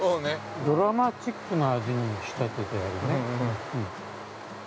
ドラマチックな味に仕立ててあるね。